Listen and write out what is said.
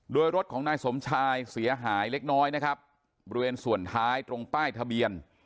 โดยรถของนายสมชายเสียหายเล็กน้อยนะครับบริเวณส่วนท้ายตรงป้ายทะเบียน